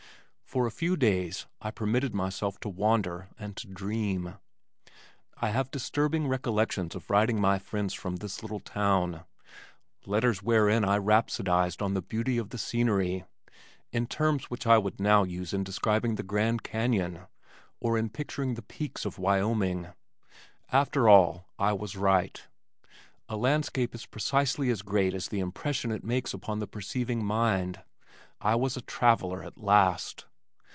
For a few days I permitted myself to wander and to dream. I have disturbing recollections of writing my friends from this little town, letters wherein I rhapsodized on the beauty of the scenery in terms which I would not now use in describing the Grand Canyon, or in picturing the peaks of Wyoming. After all I was right. A landscape is precisely as great as the impression it makes upon the perceiving mind. I was a traveller at last!